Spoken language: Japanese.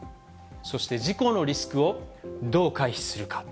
そして事故のリスクをどう回避するか。